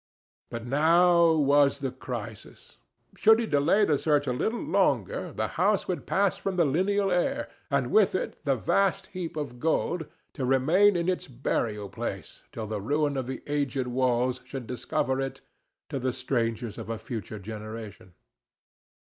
But now was the crisis. Should he delay the search a little longer, the house would pass from the lineal heir, and with it the vast heap of gold, to remain in its burial place till the ruin of the aged walls should discover it to strangers of a future generation.